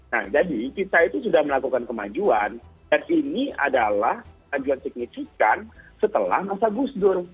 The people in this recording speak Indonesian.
nah jadi kita itu sudah melakukan kemajuan dan ini adalah kemajuan signifikan setelah masa gus dur